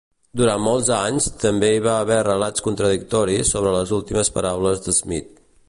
Durant molts anys, també hi va haver relats contradictoris sobre les últimes paraules d'Smith.